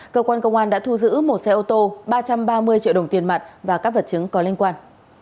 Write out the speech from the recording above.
cơ quan công an đã thu giữ một xe ô tô ba trăm ba mươi triệu đồng tiền mặt và các vật chứng có liên quan